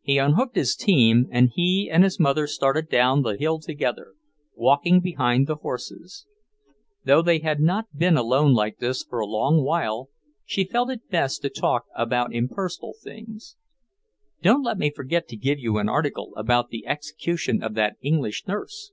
He unhooked his team, and he and his mother started down the hill together, walking behind the horses. Though they had not been alone like this for a long while, she felt it best to talk about impersonal things. "Don't let me forget to give you an article about the execution of that English nurse."